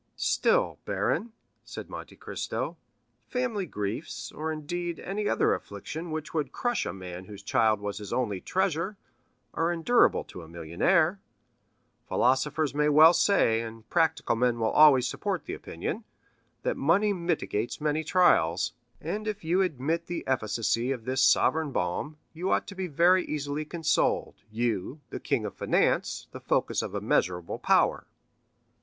"Still, baron," said Monte Cristo, "family griefs, or indeed any other affliction which would crush a man whose child was his only treasure, are endurable to a millionaire. Philosophers may well say, and practical men will always support the opinion, that money mitigates many trials; and if you admit the efficacy of this sovereign balm, you ought to be very easily consoled—you, the king of finance, the focus of immeasurable power."